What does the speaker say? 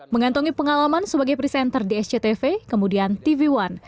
mengantongi pengalaman sebagai presenter di sctv kemudian tv one